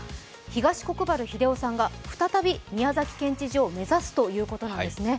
東国原英夫さんが再び宮崎県知事を目指すということなんですね。